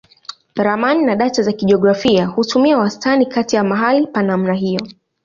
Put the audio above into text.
Ramani na data za kijiografia hutumia wastani kati ya mahali pa namna hiyo.